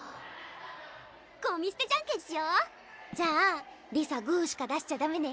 ゴミすてじゃんけんしよじゃありさグーしか出しちゃダメね